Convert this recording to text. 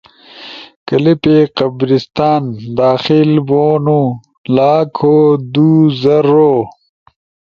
کلپ قبرستان، داخل بو، لاکھو دو زرو